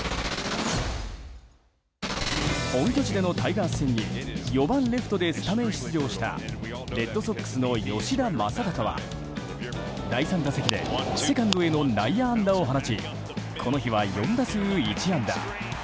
本拠地でのタイガース戦に４番レフトでスタメン出場したレッドソックスの吉田正尚は第３打席でセカンドへの内野安打を放ちこの日は４打数１安打。